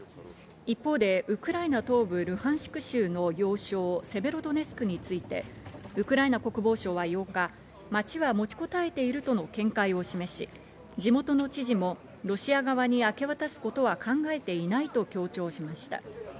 一方でウクライナ東部ルハンシク州の要衝セベロドネツクについてウクライナ国防省は８日、街は持ちこたえているとの見解を示し、地元の知事もロシア側に明け渡すことは考えていないと強調しました。